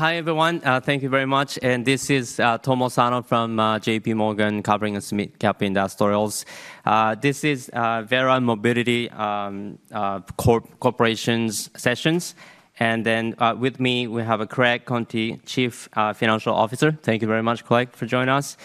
Hi, everyone. Thank you very much. This is Tomohiko Sano from JP Morgan covering the SMID cap industrials. This is Verra Mobility Corporation sessions. With me we have Craig Conti, Chief Financial Officer. Thank you very much, Craig, for joining us.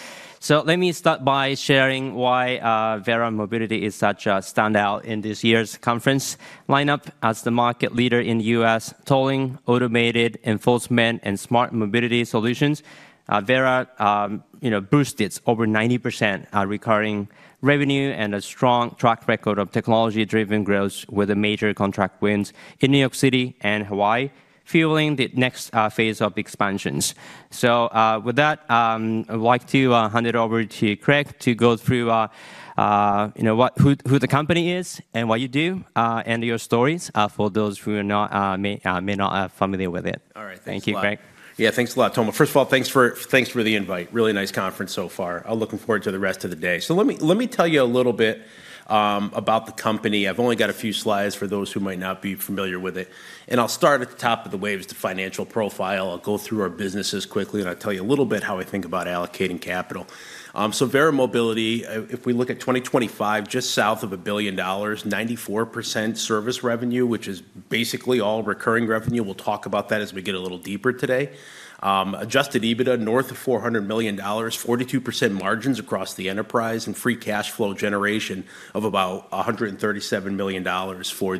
Let me start by sharing why Verra Mobility is such a standout in this year's conference lineup. As the market leader in U.S. tolling, automated enforcement, and smart mobility solutions, Verra, you know, boosted over 90% recurring revenue, and a strong track record of technology-driven growth with major contract wins in New York City and Hawaii, fueling the next phase of expansions. With that, I'd like to hand it over to Craig to go through, you know, who the company is, and what you do, and your story, for those who may not be familiar with it. All right. Thanks a lot. Thank you, Craig. Yeah. Thanks a lot, Tomo. First of all, thanks for the invite. Really nice conference so far. I'm looking forward to the rest of the day. Let me tell you a little bit about the company. I've only got a few slides for those who might not be familiar with it, and I'll start at the top of the waves, the financial profile. I'll go through our businesses quickly, and I'll tell you a little bit how I think about allocating capital. Verra Mobility, if we look at 2025, just south of $1 billion, 94% service revenue, which is basically all recurring revenue. We'll talk about that as we get a little deeper today. Adjusted EBITDA, north of $400 million. 42% margins across the enterprise and free cash flow generation of about $137 million for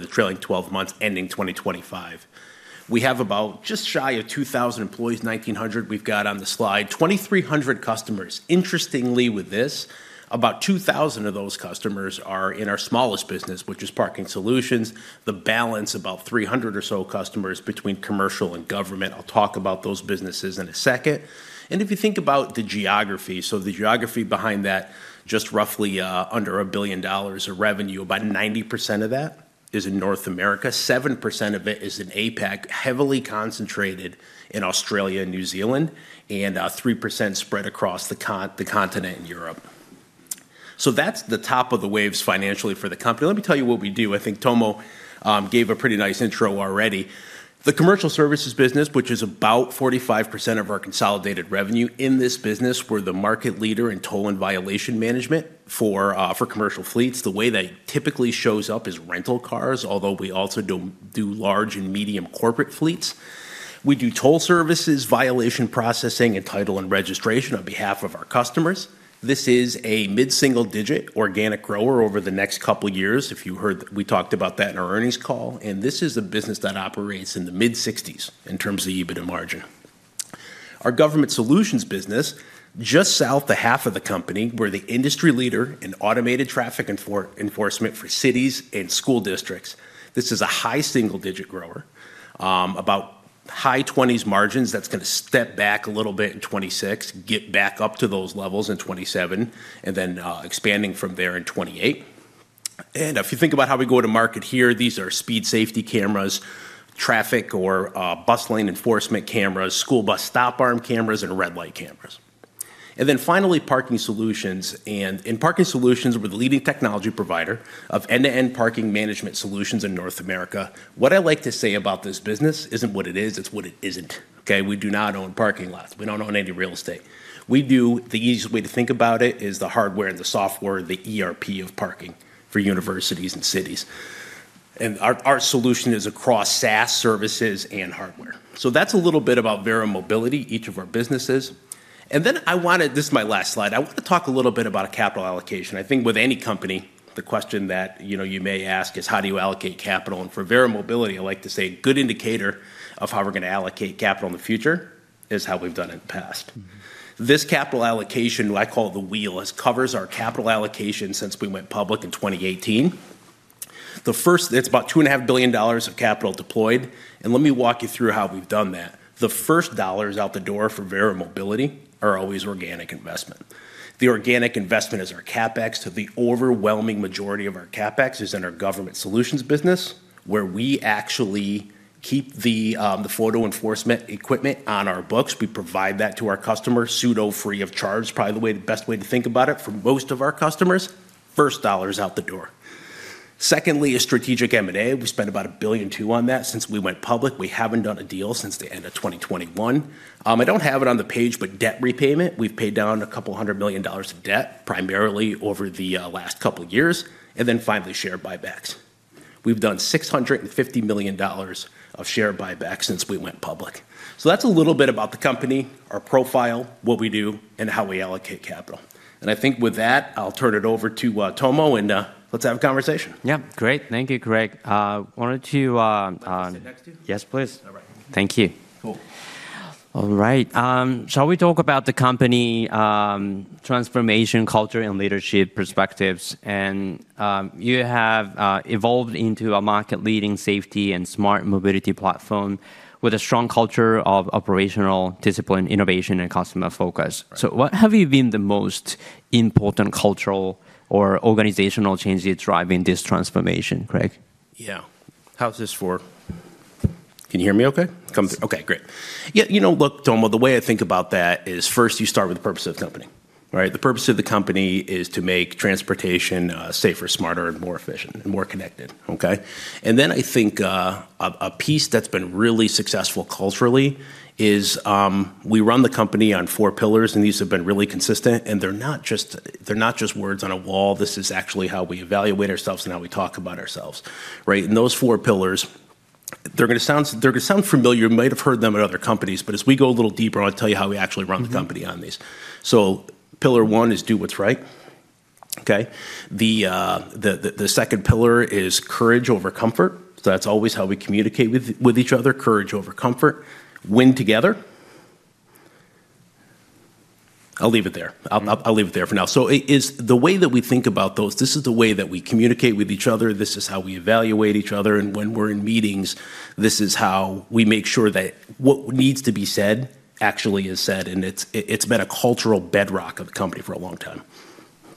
the trailing 12 months ending 2025. We have about just shy of 2,000 employees, 1,900 we've got on the slide. 2,300 customers. Interestingly with this, about 2,000 of those customers are in our smallest business, which is parking solutions. The balance, about 300 or so customers between commercial and government. I'll talk about those businesses in a second. If you think about the geography, so the geography behind that, just roughly, under $1 billion of revenue, about 90% of that is in North America. 7% of it is in APAC, heavily concentrated in Australia and New Zealand, and, three percent spread across the continent in Europe. That's the top of the waves financially for the company. Let me tell you what we do. I think Tomo Sano gave a pretty nice intro already. The commercial services business, which is about 45% of our consolidated revenue, in this business, we're the market leader in toll and violation management for commercial fleets. The way that typically shows up is rental cars, although we also do large and medium corporate fleets. We do toll services, violation processing, and title and registration on behalf of our customers. This is a mid-single digit organic grower over the next couple years, if you heard, we talked about that in our earnings call, and this is a business that operates in the mid-60s% in terms of EBITDA margin. Our government solutions business, just south of half of the company, we're the industry leader in automated traffic enforcement for cities and school districts. This is a high single-digit% grower. About high 20s% margins, that's gonna step back a little bit in 2026, get back up to those levels in 2027, and then expanding from there in 2028. If you think about how we go to market here, these are speed safety cameras, traffic or bus lane enforcement cameras, school bus stop arm cameras, and red light cameras. Finally, parking solutions. In parking solutions, we're the leading technology provider of end-to-end parking management solutions in North America. What I like to say about this business isn't what it is, it's what it isn't, okay? We do not own parking lots. We don't own any real estate. We do. The easiest way to think about it is the hardware and the software, the ERP of parking for universities and cities. Our solution is across SaaS services and hardware. That's a little bit about Verra Mobility, each of our businesses. This is my last slide. I want to talk a little bit about capital allocation. I think with any company, the question that, you know, you may ask is, how do you allocate capital? For Verra Mobility, I like to say a good indicator of how we're gonna allocate capital in the future is how we've done it in the past. Mm-hmm. This capital allocation, what I call the wheel, this covers our capital allocation since we went public in 2018. The first, it's about $2.5 billion of capital deployed, and let me walk you through how we've done that. The first dollars out the door for Verra Mobility are always organic investment. The organic investment is our CapEx, so the overwhelming majority of our CapEx is in our government solutions business, where we actually keep the photo enforcement equipment on our books. We provide that to our customers pseudo free of charge, probably the way, the best way to think about it for most of our customers. First dollars out the door. Secondly is strategic M&A. We've spent about $1.2 billion on that since we went public. We haven't done a deal since the end of 2021. I don't have it on the page, but debt repayment, we've paid down $200 million of debt, primarily over the last couple years. Finally, share buybacks. We've done $650 million of share buybacks since we went public. That's a little bit about the company, our profile, what we do, and how we allocate capital. I think with that, I'll turn it over to Tomo, and let's have a conversation. Yeah. Great. Thank you, Craig. Why don't you, Want me to sit next to you? Yes, please. All right. Thank you. Cool. All right. Shall we talk about the company transformation culture and leadership perspectives? You have evolved into a market-leading safety and smart mobility platform with a strong culture of operational discipline, innovation, and customer focus. Right. What has been the most important cultural or organizational change driving this transformation, Craig? Yeah. Can you hear me okay? Yes. Okay. Great. Yeah, you know, look, Tomo Sano, the way I think about that is first you start with the purpose of the company. Right. The purpose of the company is to make transportation safer, smarter, and more efficient and more connected. Okay? Then I think a piece that's been really successful culturally is we run the company on four pillars, and these have been really consistent, and they're not just words on a wall. This is actually how we evaluate ourselves and how we talk about ourselves, right? And those four pillars, they're gonna sound familiar. You might have heard them at other companies, but as we go a little deeper, I'll tell you how we actually run the company on these. Mm-hmm. Pillar one is do what's right. Okay? The second pillar is courage over comfort. That's always how we communicate with each other, courage over comfort. Win together. I'll leave it there. I'll leave it there for now. It is the way that we think about those, this is the way that we communicate with each other. This is how we evaluate each other, and when we're in meetings, this is how we make sure that what needs to be said actually is said, and it's been a cultural bedrock of the company for a long time.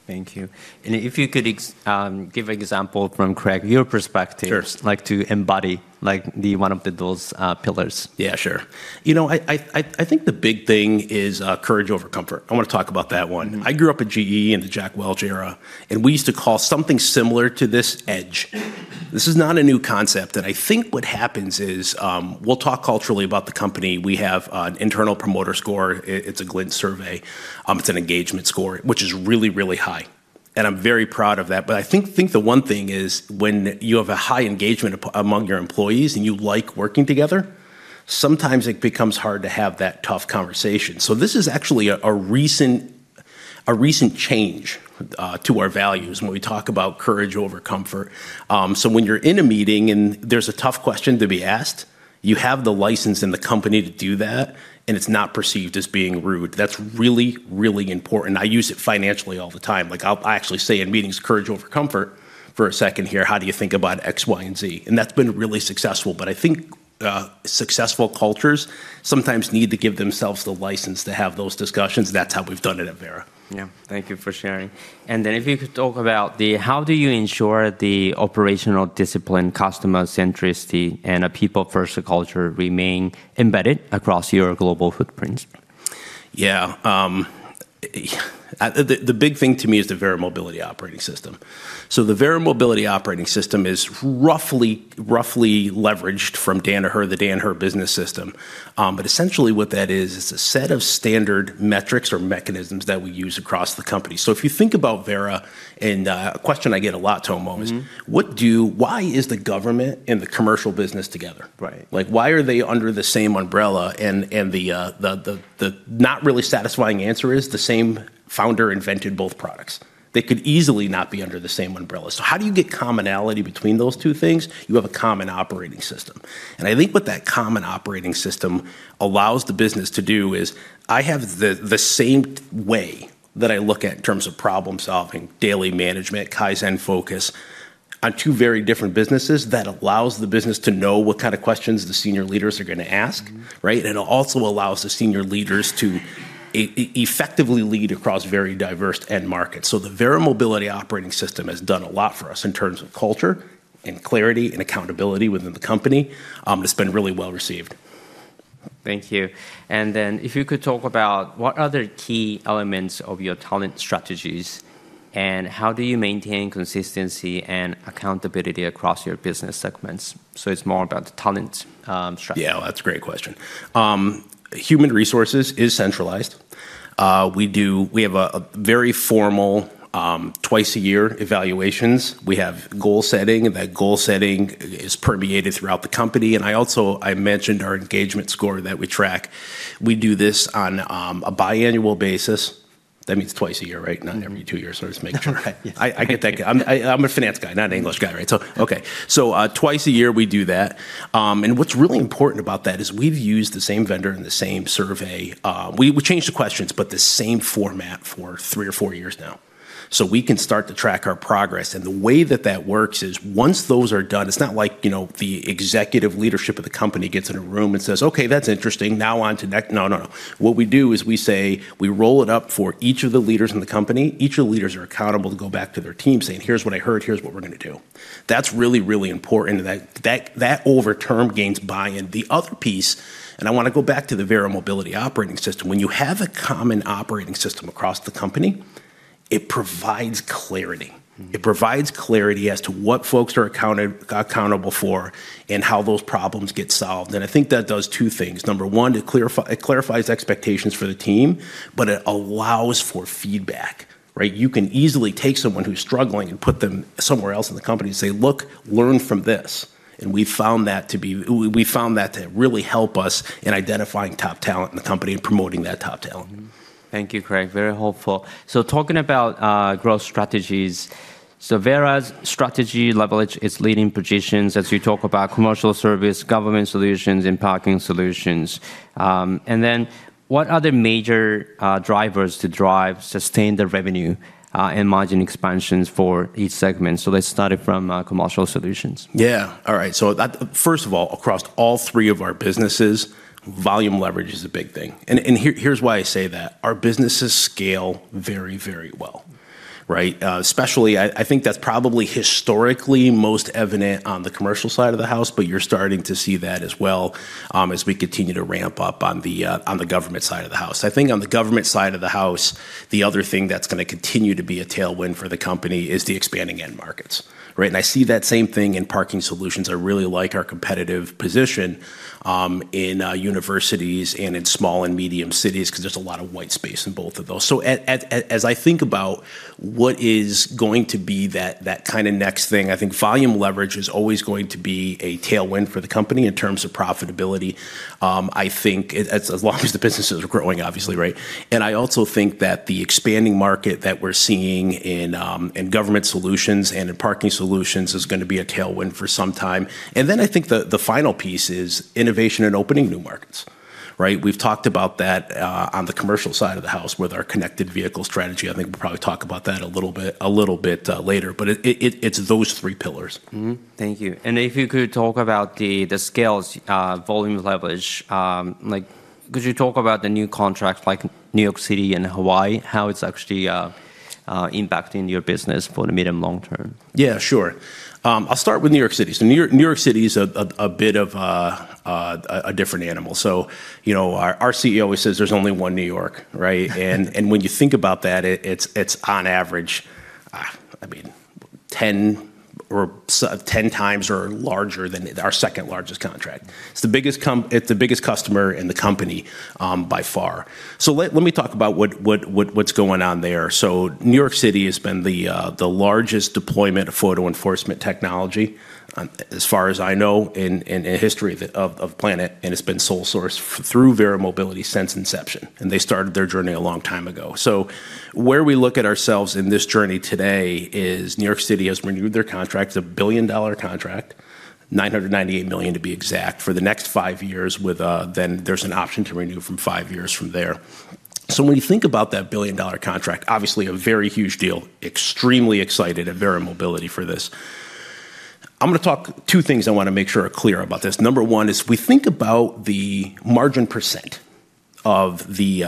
Thank you. If you could give example from Craig, your perspective. Sure Like to embody like the one of those pillars. Yeah, sure. You know, I think the big thing is courage over comfort. I wanna talk about that one. Mm-hmm. I grew up at GE in the Jack Welch era, and we used to call something similar to this edge. This is not a new concept, and I think what happens is, we'll talk culturally about the company. We have an internal promoter score. It's a Glint survey. It's an engagement score, which is really, really high, and I'm very proud of that. I think the one thing is when you have a high engagement among your employees, and you like working together, sometimes it becomes hard to have that tough conversation. This is actually a recent change to our values when we talk about courage over comfort. When you're in a meeting and there's a tough question to be asked, you have the license in the company to do that, and it's not perceived as being rude. That's really, really important. I use it financially all the time. Like, I actually say in meetings, "Courage over comfort for a second here. How do you think about X, Y, and Z?" That's been really successful. I think successful cultures sometimes need to give themselves the license to have those discussions. That's how we've done it at Verra. Yeah. Thank you for sharing. If you could talk about how do you ensure the operational discipline, customer centricity, and a people-first culture remain embedded across your global footprints? The big thing to me is the Verra Mobility operating system. The Verra Mobility operating system is roughly leveraged from Danaher, the Danaher Business System. Essentially what that is is a set of standard metrics or mechanisms that we use across the company. If you think about Verra, a question I get a lot, Tomo- Mm-hmm Is why is the government and the commercial business together? Right. Like, why are they under the same umbrella? The not really satisfying answer is the same founder invented both products. They could easily not be under the same umbrella. How do you get commonality between those two things? You have a common operating system. I think what that common operating system allows the business to do is I have the same way that I look at in terms of problem-solving, daily management, Kaizen focus on two very different businesses that allows the business to know what kind of questions the senior leaders are gonna ask, right? Mm-hmm. It also allows the senior leaders to effectively lead across very diverse end markets. The Verra Mobility operating system has done a lot for us in terms of culture and clarity and accountability within the company. It's been really well-received. Thank you. If you could talk about what other key elements of your talent strategies, and how do you maintain consistency and accountability across your business segments? It's more about the talent strategy. Yeah, that's a great question. Human resources is centralized. We have a very formal twice-a-year evaluations. We have goal setting, and that goal setting is permeated throughout the company. I also mentioned our engagement score that we track. We do this on a biannual basis. That means twice a year, right? Mm-hmm. Not every two years. I'm just making sure. Yeah. I get that. I'm a finance guy, not an English guy, right? Okay. Twice a year we do that. What's really important about that is we've used the same vendor and the same survey. We changed the questions, but the same format for three or four years now. We can start to track our progress. The way that works is once those are done, it's not like, you know, the executive leadership of the company gets in a room and says, "Okay, that's interesting. Now on to ne-" No, no. What we do is we say we roll it up for each of the leaders in the company. Each of the leaders are accountable to go back to their team saying, "Here's what I heard. Here's what we're gonna do." That's really, really important, and that over time gains buy-in. The other piece, I wanna go back to the Verra Mobility operating system. When you have a common operating system across the company, it provides clarity. Mm-hmm. It provides clarity as to what folks are accountable for and how those problems get solved. I think that does two things. Number one, it clarifies expectations for the team, but it allows for feedback, right? You can easily take someone who's struggling and put them somewhere else in the company and say, "Look, learn from this." We found that to really help us in identifying top talent in the company and promoting that top talent. Mm-hmm. Thank you, Craig. Very helpful. Talking about growth strategies. Verra's strategy leverage its leading positions as we talk about commercial services, government solutions, and parking solutions. What other major drivers to drive sustained revenue and margin expansions for each segment? Let's start it from commercial solutions. Yeah. All right. At first of all, across all three of our businesses, volume leverage is a big thing. Here, here's why I say that. Our businesses scale very, very well, right? Especially, I think that's probably historically most evident on the commercial side of the house, but you're starting to see that as well, as we continue to ramp up on the government side of the house. I think on the government side of the house, the other thing that's gonna continue to be a tailwind for the company is the expanding end markets, right? I see that same thing in parking solutions. I really like our competitive position in universities and in small and medium cities 'cause there's a lot of white space in both of those. As I think about what is going to be that kinda next thing, I think volume leverage is always going to be a tailwind for the company in terms of profitability. I think as long as the businesses are growing, obviously, right? I also think that the expanding market that we're seeing in government solutions and in parking solutions is gonna be a tailwind for some time. I think the final piece is innovation and opening new markets. Right? We've talked about that on the commercial side of the house with our connected vehicle strategy. I think we'll probably talk about that a little bit later, but it is those three pillars. Mm-hmm. Thank you. If you could talk about the scales, volume leverage, like could you talk about the new contracts like New York City and Hawaii, how it's actually impacting your business for the medium long term? Yeah, sure. I'll start with New York City. New York City is a bit of a different animal, so you know, our CEO always says there's only one New York, right? When you think about that, it's on average, I mean, 10x or larger than our second largest contract. It's the biggest customer in the company, by far. Let me talk about what's going on there. New York City has been the largest deployment of photo enforcement technology, as far as I know in the history of it, of the planet, and it's been sole source through Verra Mobility since inception, and they started their journey a long time ago. Where we look at ourselves in this journey today is New York City has renewed their contract. It's a billion-dollar contract, $998 million to be exact, for the next five years, then there's an option to renew from five years from there. When you think about that billion-dollar contract, obviously a very huge deal, extremely excited at Verra Mobility for this. I'm gonna talk about two things I wanna make sure are clear about this. Number one is we think about the margin percent of the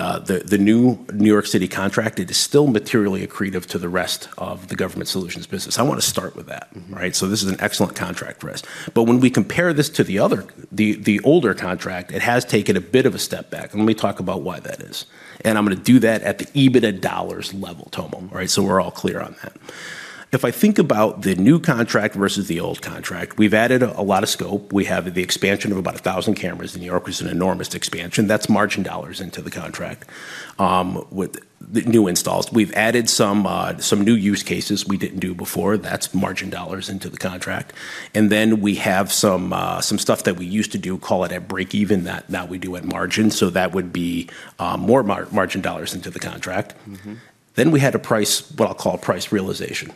new New York City contract. It is still materially accretive to the rest of the government solutions business. I wanna start with that. Mm-hmm. Right? This is an excellent contract for us. When we compare this to the other, the older contract, it has taken a bit of a step back, and let me talk about why that is, and I'm gonna do that at the EBITDA dollars level, Tomo Sano, right, so we're all clear on that. If I think about the new contract versus the old contract, we've added a lot of scope. We have the expansion of about 1,000 cameras in New York, which is an enormous expansion. That's margin dollars into the contract with the new installs. We've added some new use cases we didn't do before. That's margin dollars into the contract. We have some stuff that we used to do, call it at break even, that now we do at margin, so that would be more margin dollars into the contract. Mm-hmm. We had to price what I'll call price realization,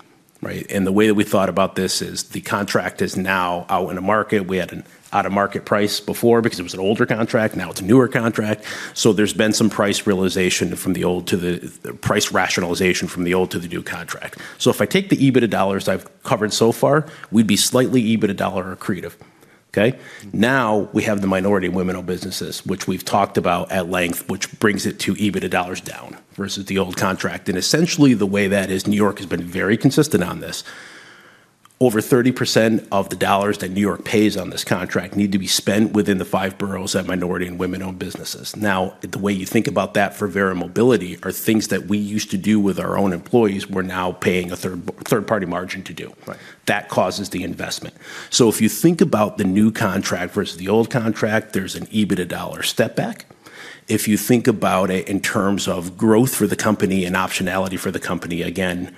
right? The way that we thought about this is the contract is now out in the market. We had an out-of-market price before because it was an older contract. Now it's a newer contract. There's been some price realization, price rationalization, from the old to the new contract. If I take the EBITDA dollars I've covered so far, we'd be slightly EBITDA dollar accretive, okay? Now we have the minority and women-owned businesses, which we've talked about at length, which brings it to EBITDA dollars down versus the old contract. Essentially the way that is, New York has been very consistent on this. Over 30% of the dollars that New York pays on this contract need to be spent within the five boroughs at minority and women-owned businesses. Now, the way you think about that for Verra Mobility are things that we used to do with our own employees, we're now paying a third-party margin to do. Right. That causes the investment. If you think about the new contract versus the old contract, there's an EBITDA dollar step back. If you think about it in terms of growth for the company and optionality for the company, again,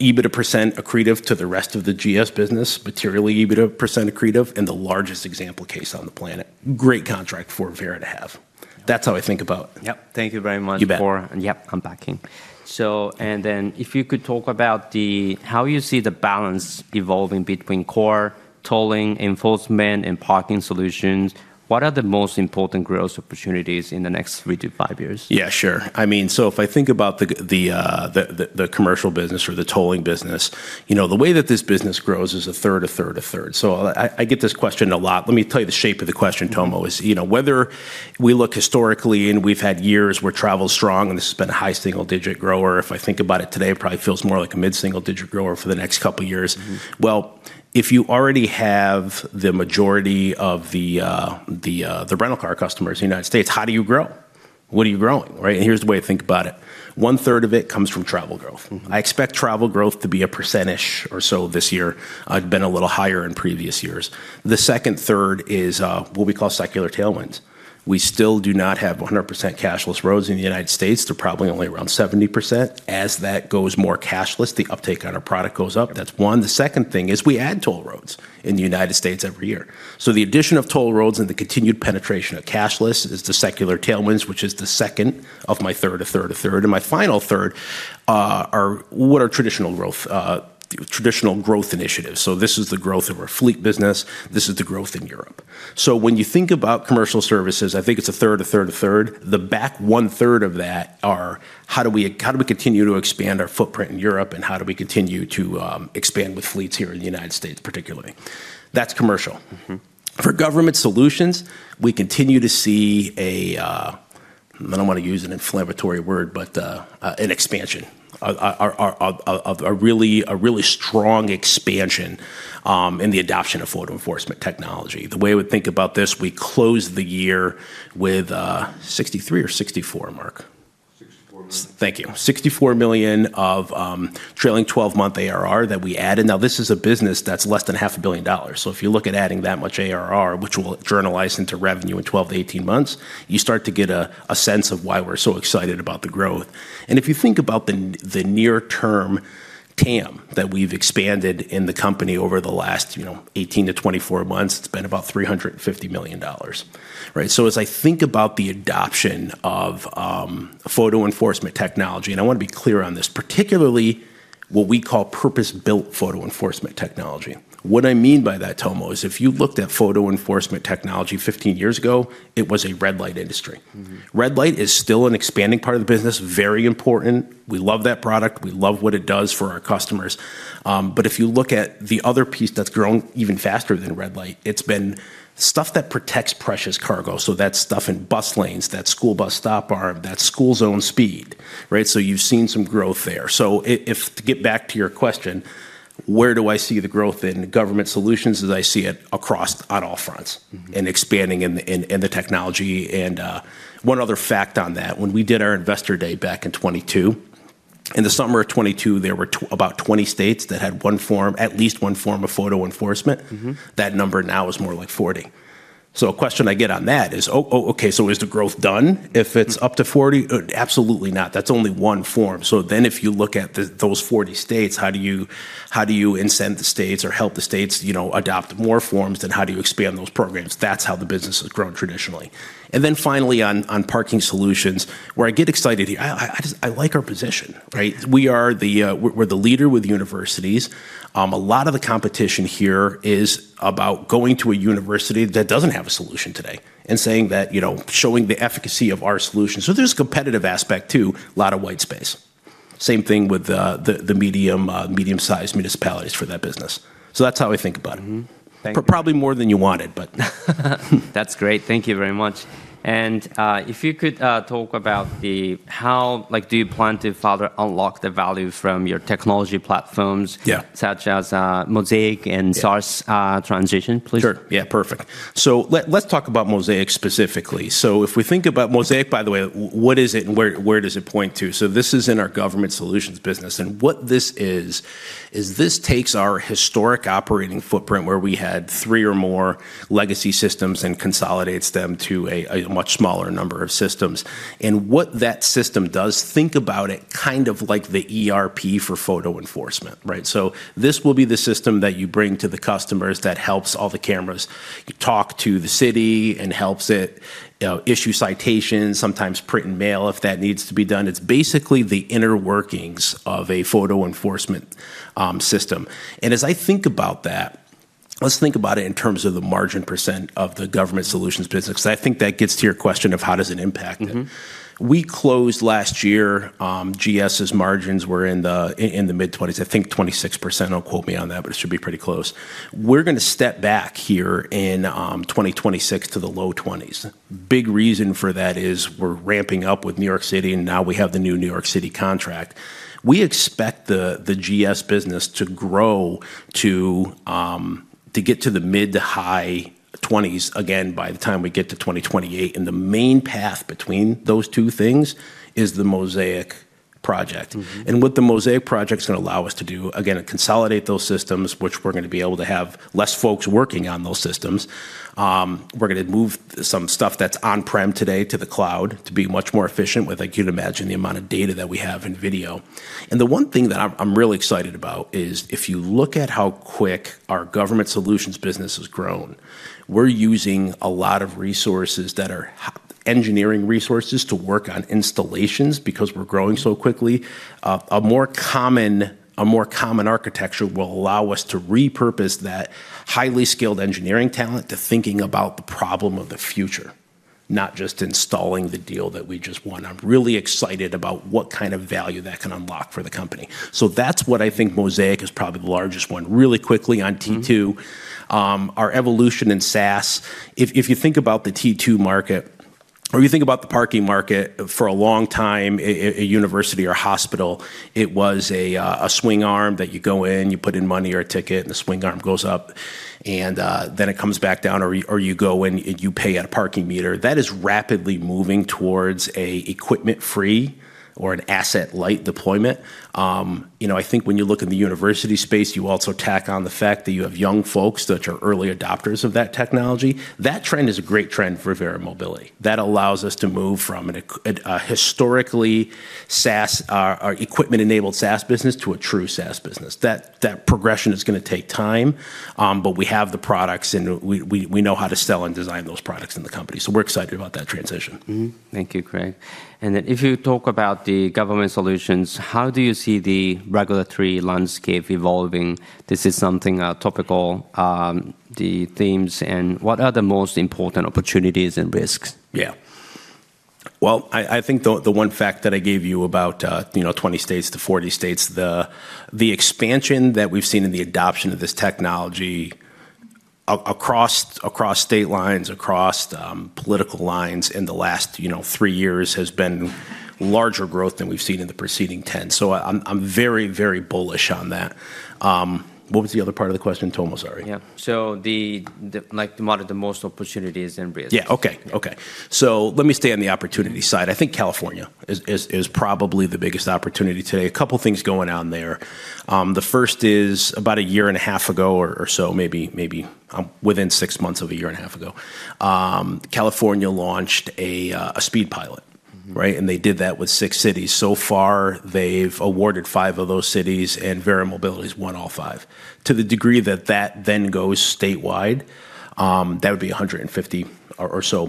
EBITDA percent accretive to the rest of the GS business, materially EBITDA percent accretive, and the largest example case on the planet. Great contract for Verra to have. That's how I think about- Yep. Thank you very much. You bet. If you could talk about how you see the balance evolving between core tolling, enforcement, and parking solutions, what are the most important growth opportunities in the next three to five years? Yeah, sure. I mean, if I think about the commercial business or the tolling business, you know, the way that this business grows is a third, a third, a third. I get this question a lot. Let me tell you the shape of the question, Tomo Sano, is, you know, whether we look historically and we've had years where travel's strong and this has been a high single-digit grower. If I think about it today, it probably feels more like a mid-single-digit grower for the next couple years. Mm-hmm. Well, if you already have the majority of the rental car customers in the United States, how do you grow? What are you growing, right? Here's the way to think about it. 1/3 of it comes from travel growth. Mm-hmm. I expect travel growth to be 1%-ish or so this year. It's been a little higher in previous years. The second third is what we call secular tailwinds. We still do not have 100% cashless roads in the United States. They're probably only around 70%. As that goes more cashless, the uptake on our product goes up. That's one. The second thing is we add toll roads in the United States every year. The addition of toll roads and the continued penetration of cashless is the secular tailwinds, which is the second of my third, a third. My final third are traditional growth initiatives. This is the growth of our fleet business. This is the growth in Europe. When you think about commercial services, I think it's a third. The back one third of that are how do we continue to expand our footprint in Europe and how do we continue to expand with fleets here in the United States particularly? That's commercial. Mm-hmm. For government solutions, we continue to see. I don't wanna use an inflammatory word, but an expansion, a really strong expansion in the adoption of photo enforcement technology. The way I would think about this, we closed the year with 63 or 64, Mark? Thank you. $64 million of trailing 12-month ARR that we added. Now, this is a business that's less than half a billion dollars. If you look at adding that much ARR, which will annualize into revenue in 12-18 months, you start to get a sense of why we're so excited about the growth. If you think about the near term TAM that we've expanded in the company over the last, you know, 18-24 months, it's been about $350 million, right? As I think about the adoption of photo enforcement technology, and I wanna be clear on this, particularly what we call purpose-built photo enforcement technology. What I mean by that, Tomo, is if you looked at photo enforcement technology 15 years ago, it was a red light industry. Mm-hmm. Red light is still an expanding part of the business, very important. We love that product. We love what it does for our customers. If you look at the other piece that's grown even faster than red light, it's been stuff that protects precious cargo, so that's stuff in bus lanes, that school bus stop arm, that school zone speed, right? You've seen some growth there. To get back to your question, where do I see the growth in government solutions? As I see it across on all fronts. Mm-hmm expanding in the technology. One other fact on that, when we did our investor day back in 2022, in the summer of 2022, there were about 20 states that had one form, at least one form of photo enforcement. Mm-hmm. That number now is more like 40. A question I get on that is, "Oh, oh, okay, so is the growth done if it's up to 40?" Absolutely not. That's only one form. If you look at those 40 states, how do you incent the states or help the states, you know, adopt more forms, then how do you expand those programs? That's how the business has grown traditionally. Finally on parking solutions, where I get excited here, I just like our position, right? We're the leader with universities. A lot of the competition here is about going to a university that doesn't have a solution today and saying that, you know, showing the efficacy of our solution. There's a competitive aspect too, a lot of white space. Same thing with the medium-sized municipalities for that business. That's how we think about it. Thank you. Probably more than you wanted, but. That's great. Thank you very much. If you could talk about how, like, do you plan to further unlock the value from your technology platforms? Yeah Such as, Mosaic and SaaS, transition, please? Sure. Yeah, perfect. Let's talk about Mosaic specifically. If we think about Mosaic, by the way, what is it and where does it point to? This is in our government solutions business, and what this is this takes our historic operating footprint where we had three or more legacy systems and consolidates them to a much smaller number of systems. What that system does, think about it kind of like the ERP for photo enforcement, right? This will be the system that you bring to the customers that helps all the cameras talk to the city and helps it, you know, issue citations, sometimes print and mail if that needs to be done. It's basically the inner workings of a photo enforcement system. As I think about that, let's think about it in terms of the margin % of the government solutions business, 'cause I think that gets to your question of how does it impact it. Mm-hmm. We closed last year, GS's margins were in the mid-20s%. I think 26%. Don't quote me on that, but it should be pretty close. We're gonna step back here in 2026 to the low 20s%. Big reason for that is we're ramping up with New York City, and now we have the new New York City contract. We expect the GS business to grow to get to the mid- to high 20s% again by the time we get to 2028, and the main path between those two things is the Mosaic project. Mm-hmm. What the Mosaic project's gonna allow us to do, again, to consolidate those systems, which we're gonna be able to have less folks working on those systems. We're gonna move some stuff that's on-prem today to the cloud to be much more efficient with, like you'd imagine, the amount of data that we have in video. The one thing that I'm really excited about is if you look at how quick our government solutions business has grown, we're using a lot of resources that are engineering resources to work on installations because we're growing so quickly. A more common architecture will allow us to repurpose that highly skilled engineering talent to thinking about the problem of the future, not just installing the deal that we just won. I'm really excited about what kind of value that can unlock for the company. That's what I think Mosaic is probably the largest one. Really quickly on T2. Mm-hmm. Our evolution in SaaS, if you think about the T2 market or you think about the parking market, for a long time, a university or hospital, it was a swing arm that you go in, you put in money or a ticket, and the swing arm goes up, and then it comes back down, or you go and you pay at a parking meter. That is rapidly moving towards an equipment-free or an asset-light deployment. You know, I think when you look in the university space, you also tack on the fact that you have young folks that are early adopters of that technology. That trend is a great trend for Verra Mobility. That allows us to move from a historically SaaS or equipment-enabled SaaS business to a true SaaS business. That progression is gonna take time, but we have the products and we know how to sell and design those products in the company, so we're excited about that transition. Mm-hmm. Thank you, Craig. If you talk about the government solutions, how do you see the regulatory landscape evolving? This is something topical. The themes and what are the most important opportunities and risks? Yeah. Well, I think the one fact that I gave you about, you know, 20 states to 40 states, the expansion that we've seen in the adoption of this technology across state lines, across political lines in the last, you know, three years has been larger growth than we've seen in the preceding 10. So I'm very bullish on that. What was the other part of the question, Tomo? Sorry. Yeah. Like, the most opportunities in Brazil. Yeah. Okay. Let me stay on the opportunity side. I think California is probably the biggest opportunity today. A couple things going on there. The first is about a year and a half ago or so maybe within six months of a year and a half ago. California launched a speed pilot. Mm-hmm. Right? They did that with six cities. So far they've awarded five of those cities, and Verra Mobility's won all five. To the degree that that then goes statewide, that would be $150 million or so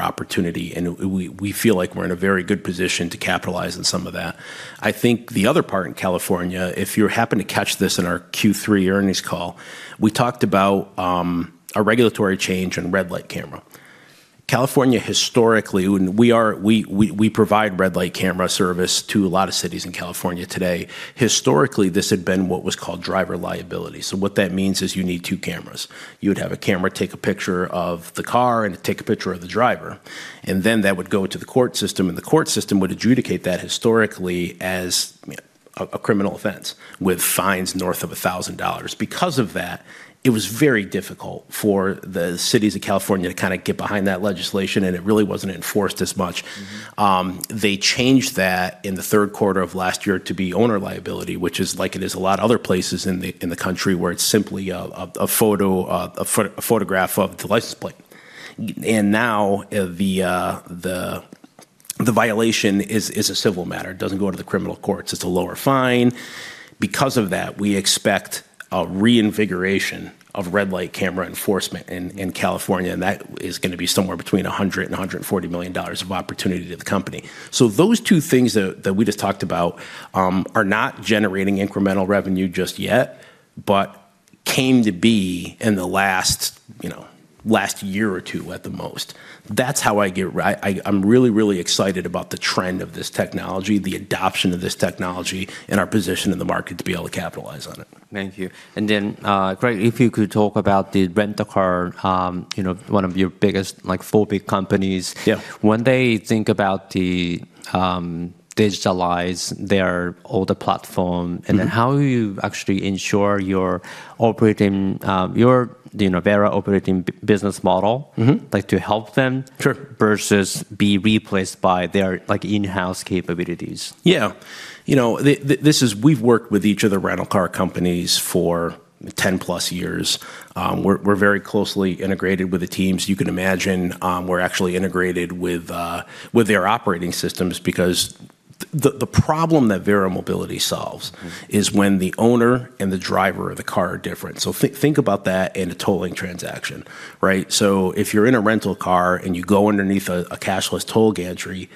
opportunity, and we feel like we're in a very good position to capitalize on some of that. I think the other part in California, if you happened to catch this in our Q3 earnings call, we talked about a regulatory change in red light camera. California historically, and we provide red light camera service to a lot of cities in California today. Historically, this had been what was called driver liability. What that means is you need two cameras. You would have a camera take a picture of the car and take a picture of the driver, and then that would go to the court system, and the court system would adjudicate that historically as, you know, a criminal offense with fines north of $1,000. Because of that, it was very difficult for the cities of California to kinda get behind that legislation, and it really wasn't enforced as much. Mm-hmm. They changed that in the third quarter of last year to be owner liability, which is like it is a lot other places in the country where it's simply a photograph of the license plate. Now the violation is a civil matter. It doesn't go to the criminal courts. It's a lower fine. Because of that, we expect a reinvigoration of red light camera enforcement in California, and that is gonna be somewhere between $100 million-$140 million of opportunity to the company. Those two things that we just talked about are not generating incremental revenue just yet but came to be in the last, you know, last year or two at the most. I'm really excited about the trend of this technology, the adoption of this technology, and our position in the market to be able to capitalize on it. Thank you. Craig, if you could talk about the rental car, you know, one of your biggest, like four big companies. Yeah. When they think about the digitizing their older platform. Mm-hmm how you actually ensure you're operating your, you know, Verra operating business model Mm-hmm Like, to help them. Sure. Versus being replaced by their, like, in-house capabilities. Yeah. You know, this is, we've worked with each of the rental car companies for 10+ years. We're very closely integrated with the teams. You can imagine, we're actually integrated with their operating systems because the problem that Verra Mobility solves- Mm-hmm Is when the owner and the driver of the car are different. Think about that in a tolling transaction, right? If you're in a rental car, and you go underneath a cashless toll gantry,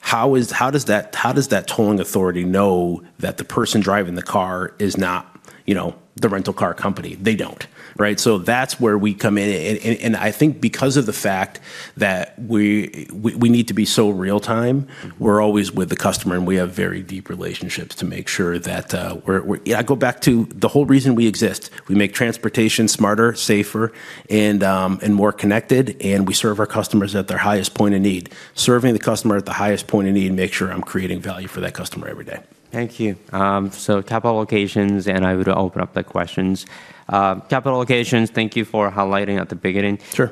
how does that tolling authority know that the person driving the car is not, you know, the rental car company? They don't, right? That's where we come in and I think because of the fact that we need to be so real time Mm-hmm We're always with the customer, and we have very deep relationships to make sure that we're. Yeah, go back to the whole reason we exist. We make transportation smarter, safer, and more connected, and we serve our customers at their highest point of need. Serving the customer at the highest point of need make sure I'm creating value for that customer every day. Thank you. Capital allocations, and I would open up the questions. Capital allocations, thank you for highlighting at the beginning. Sure.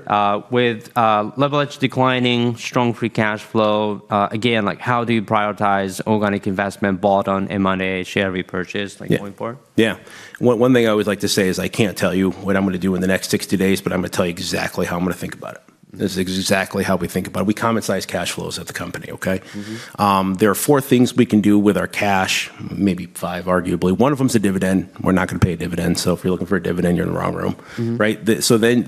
With leverage declining, strong free cash flow, again, like how do you prioritize organic investment versus M&A, share repurchase like going forward? Yeah. One thing I always like to say is I can't tell you what I'm gonna do in the next 60 days, but I'm gonna tell you exactly how I'm gonna think about it. This is exactly how we think about it. We common size cash flows at the company, okay? Mm-hmm. There are four things we can do with our cash, maybe five arguably. One of them is a dividend. We're not gonna pay a dividend, so if you're looking for a dividend, you're in the wrong room. Mm-hmm.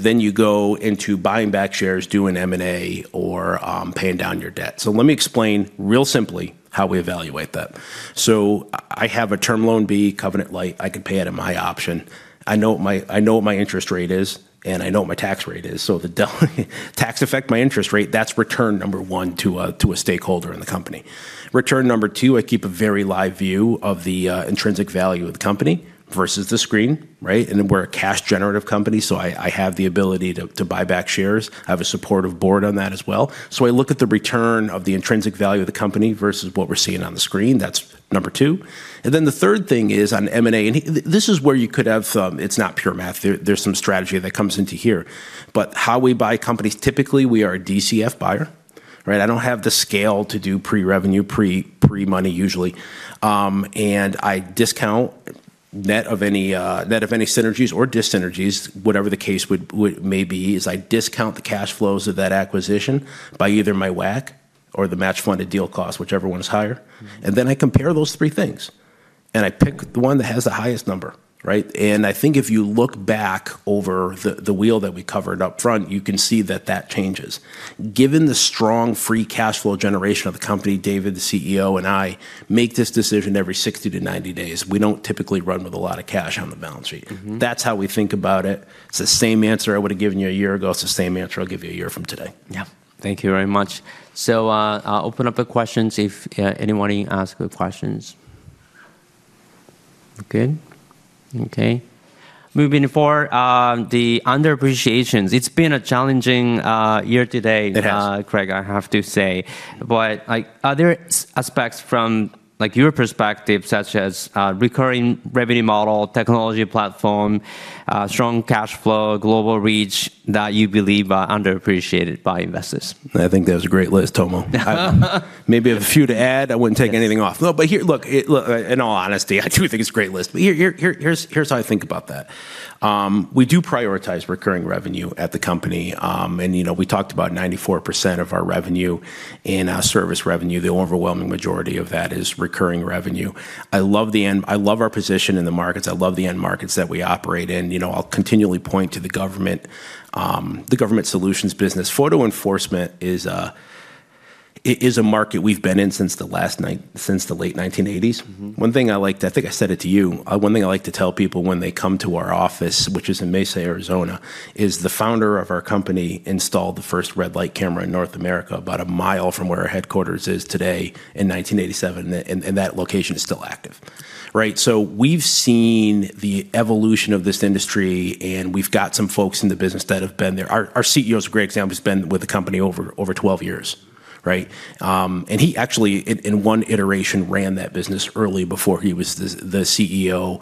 Right? You go into buying back shares, doing M&A or paying down your debt. Let me explain really simply how we evaluate that. I have a Term Loan B, covenant light. I could pay it at my option. I know what my interest rate is, and I know what my tax rate is. If the tax affect my interest rate, that's return number one to a stakeholder in the company. Return number two, I keep a very live view of the intrinsic value of the company versus the screen, right? We're a cash generative company, so I have the ability to buy back shares, have a supportive board on that as well. I look at the return of the intrinsic value of the company versus what we're seeing on the screen. That's number two. The third thing is on M&A, and this is where you could have, it's not pure math. There's some strategy that comes into here. How we buy companies, typically, we are a DCF buyer, right? I don't have the scale to do pre-revenue, pre-money usually. And I discount net of any synergies or dis-synergies, whatever the case would be, I discount the cash flows of that acquisition by either my WACC or the match funded deal cost, whichever one is higher. Mm-hmm. I compare those three things, and I pick the one that has the highest number, right? I think if you look back over the wheel that we covered up front, you can see that changes. Given the strong free cash flow generation of the company, David, the CEO, and I make this decision every 60-90 days. We don't typically run with a lot of cash on the balance sheet. Mm-hmm. That's how we think about it. It's the same answer I would've given you a year ago. It's the same answer I'll give you a year from today. Yeah. Thank you very much. I'll open up the questions if anybody ask the questions. Good. Okay. Moving forward, the underappreciations. It's been a challenging year to date. It has. Craig, I have to say. Like, are there aspects from, like, your perspective such as recurring revenue model, technology platform, strong cash flow, global reach, that you believe are underappreciated by investors? I think that was a great list, Tomo. I maybe have a few to add. I wouldn't take anything off. Yes. Look, in all honesty, I do think it's a great list. Here's how I think about that. We do prioritize recurring revenue at the company. You know, we talked about 94% of our revenue in our service revenue. The overwhelming majority of that is recurring revenue. I love our position in the markets. I love the end markets that we operate in. You know, I'll continually point to the government, the government solutions business. Photo enforcement is, it is a market we've been in since the late 1980s. Mm-hmm. I think I said it to you. One thing I like to tell people when they come to our office, which is in Mesa, Arizona, is the founder of our company installed the first red light camera in North America about a mile from where our headquarters is today in 1987. That location is still active, right? We've seen the evolution of this industry, and we've got some folks in the business that have been there. Our CEO is a great example. He's been with the company over 12 years, right? He actually in one iteration ran that business early before he was the CEO.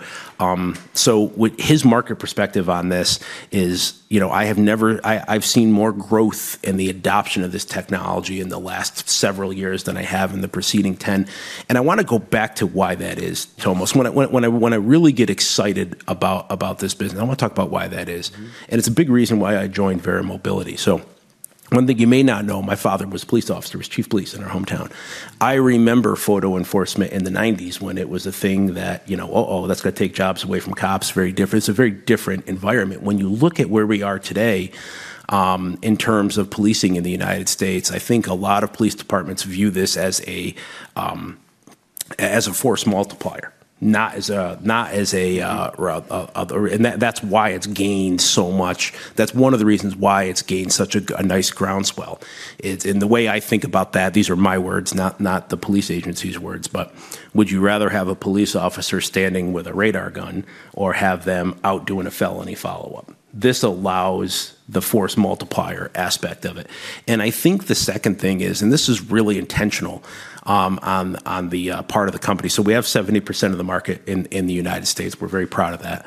His market perspective on this is, you know, I've seen more growth in the adoption of this technology in the last several years than I have in the preceding ten. I wanna go back to why that is, Tomo. When I really get excited about this business, I wanna talk about why that is. Mm-hmm. It's a big reason why I joined Verra Mobility. One thing you may not know, my father was a police officer. He was chief of police in our hometown. I remember photo enforcement in the nineties when it was a thing that, you know, uh-oh, that's gonna take jobs away from cops. Very different. It's a very different environment. When you look at where we are today, in terms of policing in the United States, I think a lot of police departments view this as a force multiplier, not as a. That's why it's gained so much. That's one of the reasons why it's gained such a nice groundswell. The way I think about that, these are my words, not the police agency's words, but would you rather have a police officer standing with a radar gun or have them out doing a felony follow-up? This allows the force multiplier aspect of it. I think the second thing is, and this is really intentional, on the part of the company, so we have 70% of the market in the United States. We're very proud of that.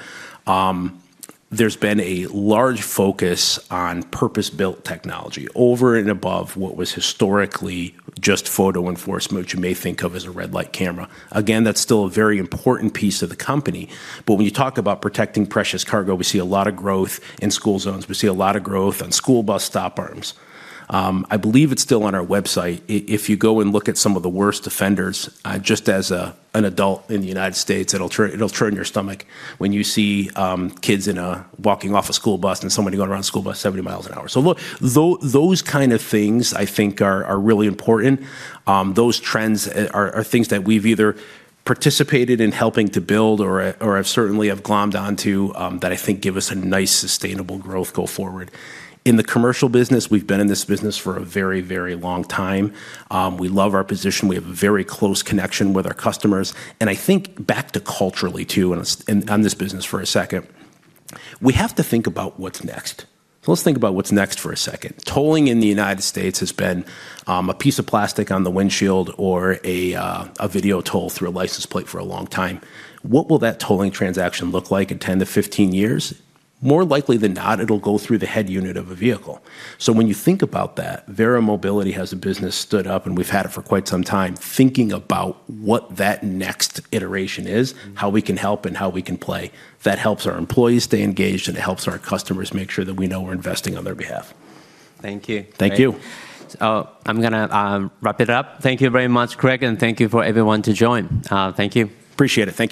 There's been a large focus on purpose-built technology over and above what was historically just photo enforcement, which you may think of as a red light camera. Again, that's still a very important piece of the company. When you talk about protecting precious cargo, we see a lot of growth in school zones. We see a lot of growth on school bus stop arms. I believe it's still on our website. If you go and look at some of the worst offenders, just as an adult in the United States, it'll turn your stomach when you see kids walking off a school bus and somebody going around a school bus 70 miles an hour. Look, those kind of things I think are really important. Those trends are things that we've either participated in helping to build or have certainly glommed onto that I think give us a nice sustainable growth go forward. In the commercial business, we've been in this business for a very, very long time. We love our position. We have a very close connection with our customers. I think back to culturally too, on this business for a second, we have to think about what's next. Let's think about what's next for a second. Tolling in the United States has been a piece of plastic on the windshield or a video toll through a license plate for a long time. What will that tolling transaction look like in 10-15 years? More likely than not, it'll go through the head unit of a vehicle. When you think about that, Verra Mobility has a business stood up, and we've had it for quite some time, thinking about what that next iteration is. Mm-hmm. how we can help and how we can play. That helps our employees stay engaged, and it helps our customers make sure that we know we're investing on their behalf. Thank you. Thank you. I'm gonna wrap it up. Thank you very much, Craig, and thank you to everyone for joining. Thank you. Appreciate it. Thank you.